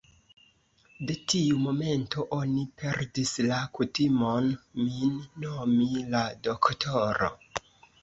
De tiu momento, oni perdis la kutimon, min nomi la doktoro.